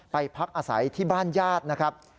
พักอาศัยที่บ้านญาตินะครับ